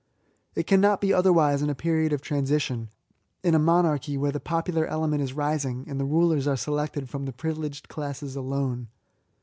It cannot be E 74 BSSATS. Otherwise in a period of transition, in a monarchy where the popular element is rising, and the rulers are selected from the privileged classes alone.